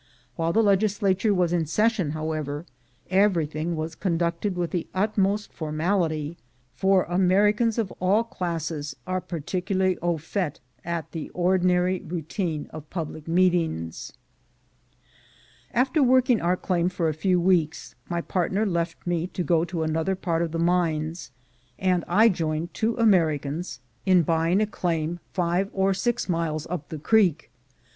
While the legislature was in session, however, everything was conducted with the utmost formality, for Americans of all classes are particularly au fait at the ordinary routine of public meetings. After working our claim for a few* weeks, my partner left me to go to another part of the mines, and I joined two Americans in buying a claim five 156 THE GOLD HUNTERS or six miles up the creek.